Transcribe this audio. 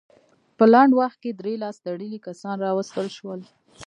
په لنډ وخت کې درې لاس تړلي کسان راوستل شول.